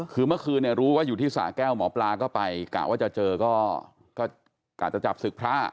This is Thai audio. คือเมื่อคืนเนี่ยรู้ว่าอยู่ที่สาแก้วหมอปลาก็ไปกะว่าจะเจอก็กะจะจับศึกพระ